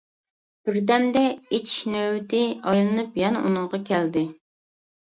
بىردەمدە ئىچىش نۆۋىتى ئايلىنىپ يەنە ئۇنىڭغا كەلدى.